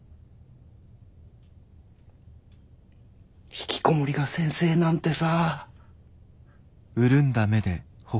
ひきこもりが先生なんてさ。